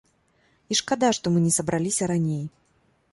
І шкада, што мы не сабраліся раней.